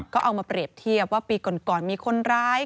ก็เอามาเปรียบเทียบว่าปีก่อนมีคนร้าย